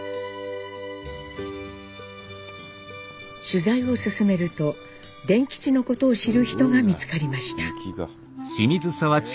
取材を進めると傅吉のことを知る人が見つかりました。